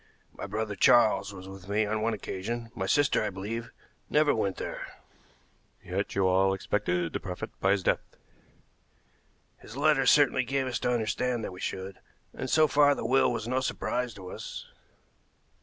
My brother Charles was with me on one occasion; my sister, I believe, never went there." "Yet you all expected to profit by his death?" "His letters certainly gave us to understand that we should, and so far the will was no surprise to us."